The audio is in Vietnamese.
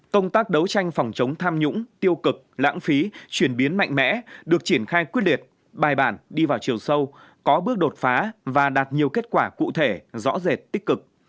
công tác đấu tranh phòng chống tham nhũng tiêu cực lãng phí chuyển biến mạnh mẽ được triển khai quyết liệt bài bản đi vào chiều sâu có bước đột phá và đạt nhiều kết quả cụ thể rõ rệt tích cực